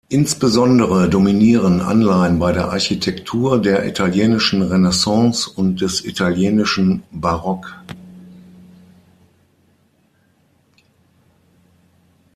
Insbesondere dominieren Anleihen bei der Architektur der italienischen Renaissance und des italienischen Barock.